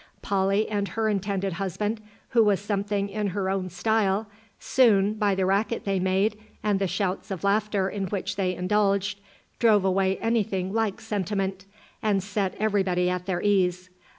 Polly and her intended husband, who was something in her own style, soon, by the racket they made, and the shouts of laughter in which they indulged, drove away any thing like sentiment, and set every body at their ease.